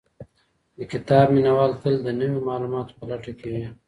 د کتاب مينه وال تل د نويو معلوماتو په لټه کي وي.